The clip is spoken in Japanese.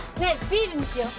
ビールにしよう。